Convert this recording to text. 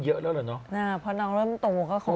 มาภาคหนึ่งซุกดำมาก